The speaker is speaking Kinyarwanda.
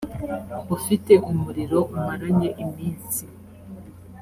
ufite umuriro umaranye iminsi